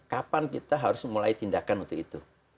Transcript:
kapan kita harus mulai tindakan untuk itu